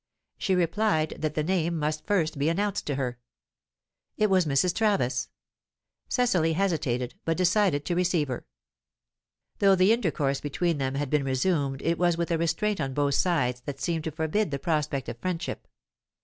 She replied that the name must first be announced to her. It was Mrs. Travis. Cecily hesitated, but decided to receive her. Though the intercourse between them had been resumed, it was with a restraint on both sides that seemed to forbid the prospect of friendship.